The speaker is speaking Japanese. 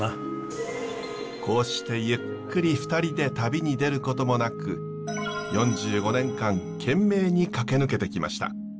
こうしてゆっくり２人で旅に出ることもなく４５年間懸命に駆け抜けてきました。